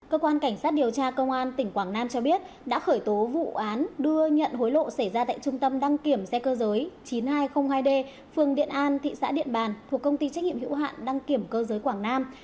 cơ quan cảnh sát điều tra công an tỉnh quảng nam cho biết đã khởi tố vụ án đưa nhận hối lộ xảy ra tại trung tâm đăng kiểm xe cơ giới chín nghìn hai trăm linh hai d phường điện an thị xã điện bàn thuộc công ty trách nhiệm hữu hạn đăng kiểm cơ giới quảng nam